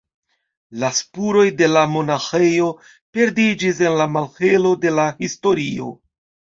La spuroj de la monaĥejo perdiĝis en la malhelo de la historio.